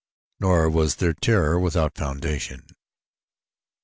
Nor was their terror without foundation.